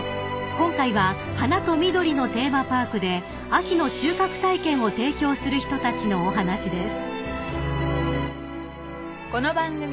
［今回は花と緑のテーマパークで秋の収穫体験を提供する人たちのお話です］